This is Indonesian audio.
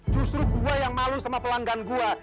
justru gua yang malu sama pelanggan gue